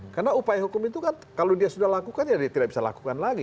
karena upaya hukum itu kan kalau dia sudah lakukan ya dia tidak bisa lakukan lagi